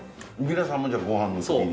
皆さんもじゃあご飯のときに？